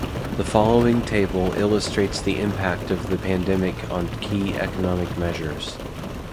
The following table illustrates the impact of the pandemic on key economic measures.